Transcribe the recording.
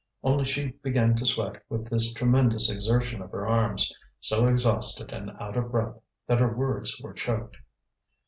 Only she began to sweat with this tremendous exertion of her arms, so exhausted and out of breath that her words were choked.